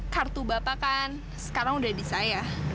kartu bapak kan sekarang udah di saya